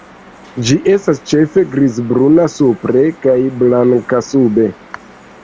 Ĝi estas ĉefe grizbruna supre kaj blanka sube.